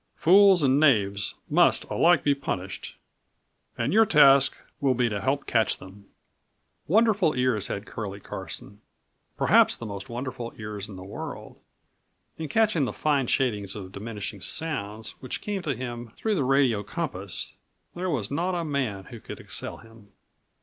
Fools and knaves must alike be punished and your task will be to help catch them." Wonderful ears had Curlie Carson, perhaps the most wonderful ears in the world. In catching the fine shadings of diminishing sounds which came to him through the radio compass, there was not a man who could excel him.